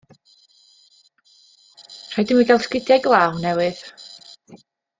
Rhaid i mi gael sgidiau glaw newydd.